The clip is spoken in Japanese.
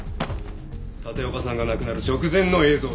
立岡さんが亡くなる直前の映像だ。